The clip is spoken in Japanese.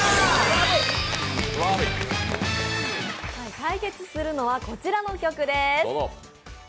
対決するのはこちらの曲です。